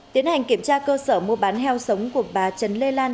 tiến hành kiểm tra cơ sở mua bán heo sống của bà trần lê lan